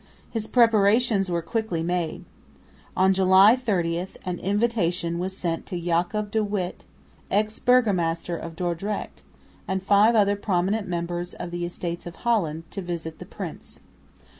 His preparations were quickly made. On July 30 an invitation was sent to Jacob de Witt, ex burgomaster of Dordrecht, and five other prominent members of the Estates of Holland, to visit the prince.